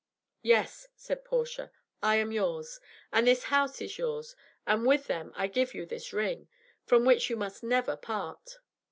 "Yes," said Portia, "I am yours, and this house is yours, and with them I give you this ring, from which you must never part."